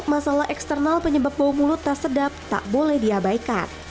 masalah eksternal penyebab bau mulut tak sedap tak boleh diabaikan